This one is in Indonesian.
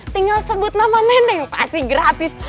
tinggal sebut nama nendeng pasti gratis